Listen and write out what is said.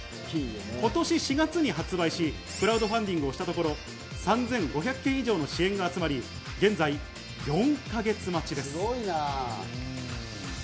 今年４月に発売し、クラウドファンディングをしたところ、３５００件以上の支援が集まり、現在４か月待ちです。